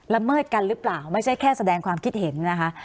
เมิดกันหรือเปล่าไม่ใช่แค่แสดงความคิดเห็นนะคะ